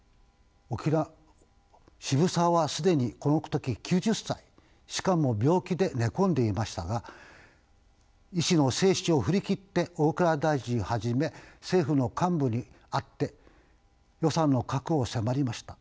渋沢は既にこの時９０歳しかも病気で寝込んでいましたが医師の制止を振り切って大蔵大臣はじめ政府の幹部に会って予算の確保を迫りました。